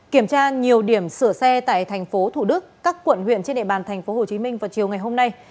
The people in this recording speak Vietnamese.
kiểm tra nhiều điểm sửa xe tại thành phố thủ đức các quận huyện trên địa bàn thành phố hồ chí minh vào chiều ngày hôm nay